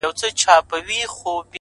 • ستړى په گډا سومه ؛چي؛ ستا سومه؛